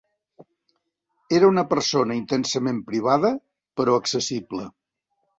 Era una persona intensament privada, però accessible.